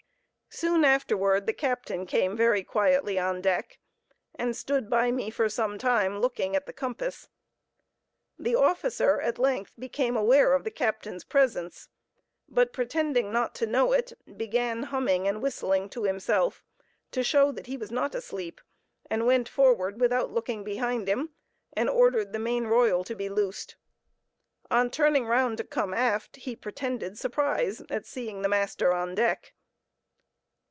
Soon afterward, the captain came very quietly on deck, and stood by me for some time looking at the compass. The officer at length became aware of the captain's presence, but pretending not to know it, began humming and whistling to himself, to show that he was not asleep, and went forward, without looking behind him, and ordered the main royal to be loosed. On turning round to come aft, he pretended surprise at seeing the master on deck.